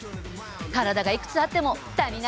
体がいくつあっても足りないよね。